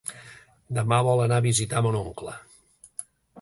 Demà vol anar a visitar mon oncle.